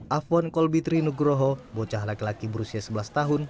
afwan kolbitri nugroho bocah laki laki berusia sebelas tahun